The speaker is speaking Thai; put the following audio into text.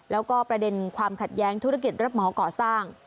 แล้วก็ประเด็นความขัดแย้งธุรกิจรับเหมาก่อสร้าง